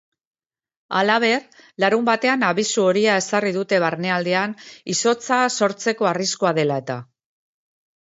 Halaber, larunbatean abisu horia ezarri dute barnealdean izotza sortzeko arriskua dela eta.